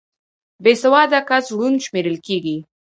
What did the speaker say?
بې سواده کس ړوند شمېرل کېږي